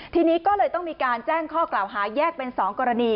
ทีนี้ก็เลยต้องมีการแจ้งข้อกล่าวหาแยกเป็น๒กรณี